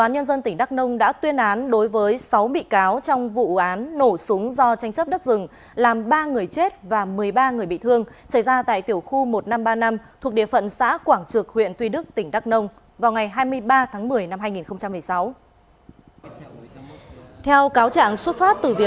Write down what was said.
hãy đăng ký kênh để ủng hộ kênh của chúng mình nhé